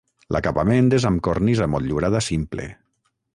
L'acabament és amb cornisa motllurada simple.